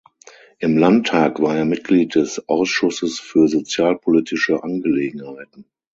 Im Landtag war er Mitglied des Ausschusses für Sozialpolitische Angelegenheiten.